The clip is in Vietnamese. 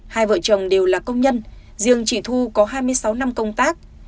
hai vợ chồng đều là công nhân riêng chị thu có hai mươi sáu năm công tác